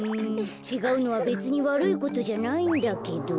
ちがうのはべつにわるいことじゃないんだけど。